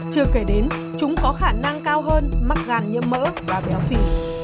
chưa kể đến chúng có khả năng cao hơn mắc gàn nhâm mỡ và béo phỉ